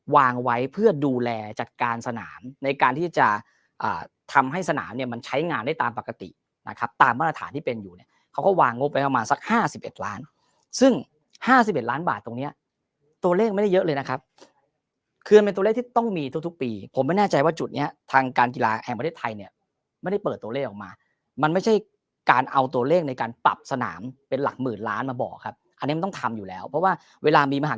วางไว้เพื่อดูแลจัดการสนามในการที่จะอ่าทำให้สนามเนี้ยมันใช้งานได้ตามปกตินะครับตามมาตรฐานที่เป็นอยู่เนี้ยเขาก็วางงบไปประมาณสักห้าสิบเอ็ดล้านซึ่งห้าสิบเอ็ดล้านบาทตรงเนี้ยตัวเลขไม่ได้เยอะเลยนะครับคือมันเป็นตัวเลขที่ต้องมีทุกทุกปีผมไม่แน่ใจว่าจุดเนี้ยทางการกีฬาแห่งประเทศไทยเนี้ย